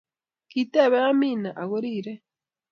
Kitebee Amina ako ritrei